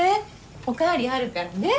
お代わりあるからね。